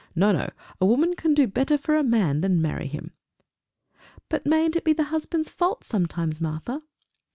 No, no! A woman can do better for a man than marry him!" "But mayn't it be the husband's fault sometimes, Martha?"